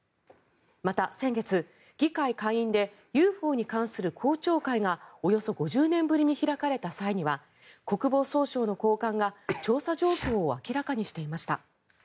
また先月、議会下院でＵＦＯに関する公聴会がおよそ５０年ぶりに開かれた際には国防総省の高官が調査状況を明らかにしていました。